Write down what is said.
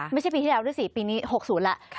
ไม่ใช่ปีที่แล้วด้วยสิปีนี้๖๐แล้ว